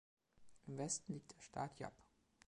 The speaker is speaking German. Im Westen liegt der Staat Yap.